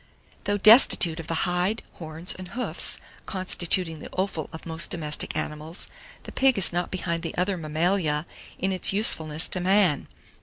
777. THOUGH DESTITUTE OF THE HIDE, HORNS, AND HOOFS, constituting the offal of most domestic animals, the pig is not behind the other mammalia in its usefulness to man.